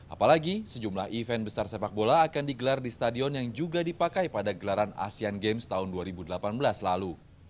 apalagi sejumlah event besar sepak bola akan digelar di stadion yang juga dipakai pada gelaran asean games tahun dua ribu delapan belas lalu